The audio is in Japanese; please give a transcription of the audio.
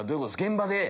現場で？